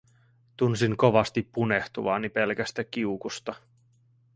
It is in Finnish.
Tunsin kovasti punehtuvani pelkästä kiukusta.